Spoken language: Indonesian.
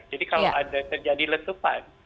jadi kalau ada terjadi letupan